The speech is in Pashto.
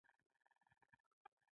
یوه نوراني رڼا پرې خپره وه.